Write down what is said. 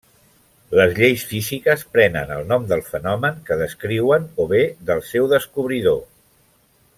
Les lleis físiques prenen el nom del fenomen que descriuen o bé del seu descobridor.